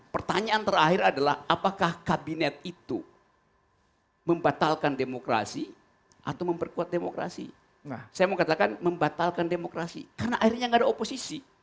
pertanyaan terakhir adalah apakah kabinet itu membatalkan demokrasi atau memperkuat demokrasi